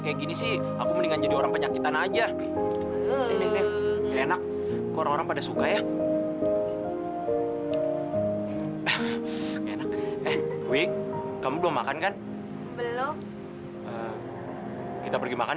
kamu nyariin aku kenapa sih